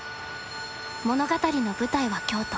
物語の舞台は京都。